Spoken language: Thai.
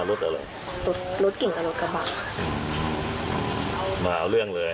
รถกินกับรถกำลังมาเอาเรื่องเลย